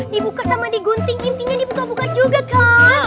dibuka sama digunting intinya dibuka buka juga kan